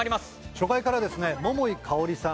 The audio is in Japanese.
初回からですね桃井かおりさん